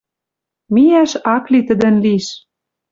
Миӓш ак ли тӹдӹн лиш.